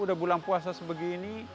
udah bulan puasa sebegini